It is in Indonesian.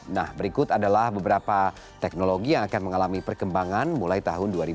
nah berikut adalah beberapa teknologi yang akan mengalami perkembangan mulai tahun dua ribu dua puluh